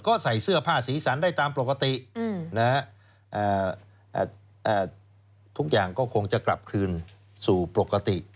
ก็ใส่เสื้อผ้าสีสันได้ตามปกติทุกอย่างก็คงจะกลับคืนสู่ปกติ